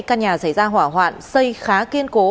căn nhà xảy ra hỏa hoạn xây khá kiên cố